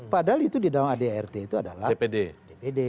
padahal itu di dalam adrt itu adalah dpd